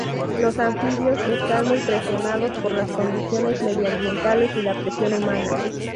Los anfibios están muy presionados por las condiciones medioambientales y la presión humana.